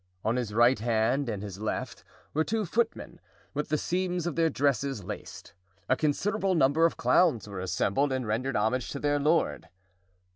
On his right hand and his left were two footmen, with the seams of their dresses laced. A considerable number of clowns were assembled and rendered homage to their lord.